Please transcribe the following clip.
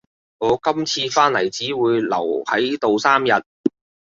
我今次返嚟只會留喺度三日